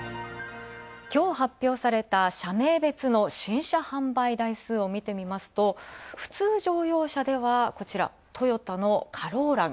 きょう発表された車名別の新車販売台数を見てみますと、普通乗用車ではこちら、トヨタのカローラが。